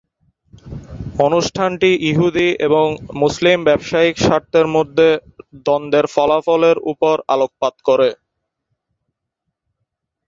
অনুষ্ঠানটি ইহুদি এবং মুসলিম ব্যবসায়িক স্বার্থের মধ্যে দ্বন্দ্বের ফলাফলের উপর আলোকপাত করে।